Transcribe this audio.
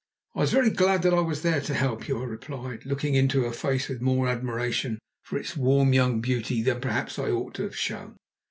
"I was very glad that I was there to help you," I replied, looking into her face with more admiration for its warm young beauty than perhaps I ought to have shown.